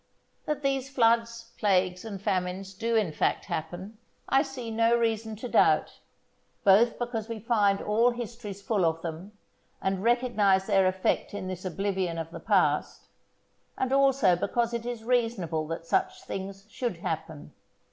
That these floods, plagues, and famines do in fact happen, I see no reason to doubt, both because we find all histories full of them, and recognize their effect in this oblivion of the past, and also because it is reasonable that such things should happen.